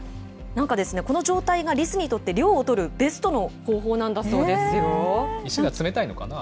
なんかこの状態がリスにとって涼をとるベストの方法なんだそうで石が冷たいのかな？